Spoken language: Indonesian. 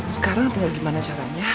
sekarang tinggal gimana caranya